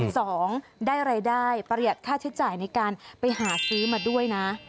สองได้รายได้ประหยัดค่าใช้จ่ายในการไปหาซื้อมาด้วยนะ